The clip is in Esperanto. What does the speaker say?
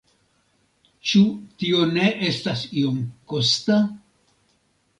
Ĉu tio ne estas iom kosta?